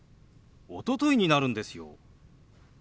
「おととい」になるんですよ。